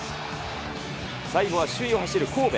最後は首位を走る神戸。